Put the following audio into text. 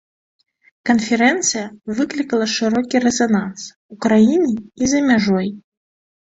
Канферэнцыя выклікала шырокі рэзананс у краіне і за мяжой.